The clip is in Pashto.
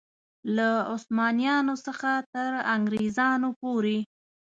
له عثمانیانو څخه تر انګرېزانو پورې.